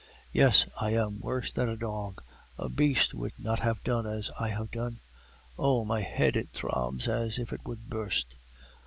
Yes, I am worse than a dog; a beast would not have done as I have done! Oh! my head... it throbs as if it would burst."